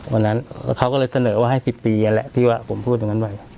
วันนั้นเขาก็เลยเสนอว่าให้๑๐ปีนั่นแหละที่ว่าผมพูดตรงนั้นไว้